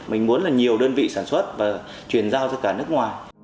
mình muốn là nhiều đơn vị sản xuất và chuyển giao cho cả nước ngoài